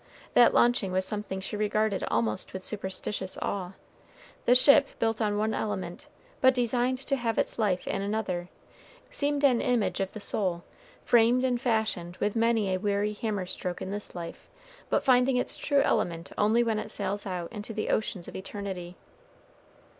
That launching was something she regarded almost with superstitious awe. The ship, built on one element, but designed to have its life in another, seemed an image of the soul, framed and fashioned with many a weary hammer stroke in this life, but finding its true element only when it sails out into the ocean of eternity.